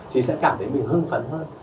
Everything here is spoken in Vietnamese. thì sẽ cảm thấy mình hưng phấn hơn